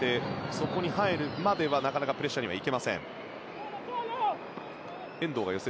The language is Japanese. そこに入るまではなかなかプレッシャーには行けません。